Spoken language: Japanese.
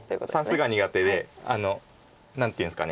算数が苦手で何ていうんですか。